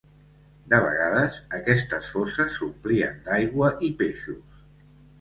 De vegades, aquestes fosses s'omplien d'aigua i peixos.